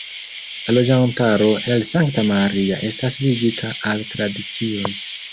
La loĝantaro el Sankta Maria estas ligita al tradicioj.